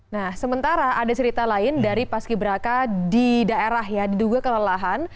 nah sementara ada cerita lain dari paski beraka di daerah ya diduga kelelahan